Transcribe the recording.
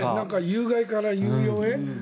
有害から有用へ。